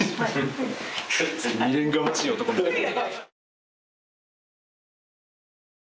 未練がましい男みたいな。